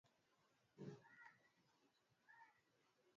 asili yao ni nchi za Rwanda Burundi Uganda na Sudan